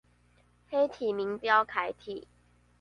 黑體明體標楷體